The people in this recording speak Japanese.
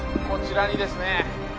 こちらにですね